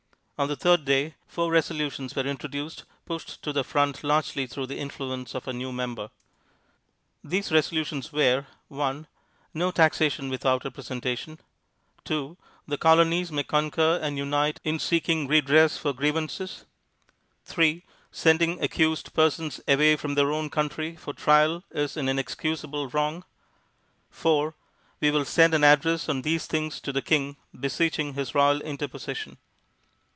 On the third day, four resolutions were introduced pushed to the front largely through the influence of our new member. These resolutions were: 1. No taxation without representation. 2. The Colonies may concur and unite in seeking redress for grievances. 3. Sending accused persons away from their own country for trial is an inexcusable wrong. 4. We will send an address on these things to the King beseeching his royal interposition.